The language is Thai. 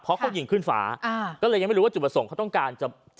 เพราะเขายิงขึ้นฟ้าอ่าก็เลยยังไม่รู้ว่าจุดประสงค์เขาต้องการจะ